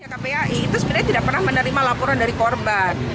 kpai itu sebenarnya tidak pernah menerima laporan dari korban